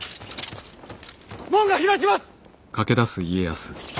門が開きます！